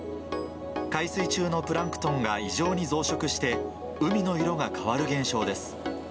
海水中のプランクトンが異常に増殖して、海の色が変わる現象です。